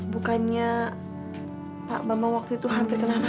bukannya pak bambang waktu itu hampir kena rampuk pak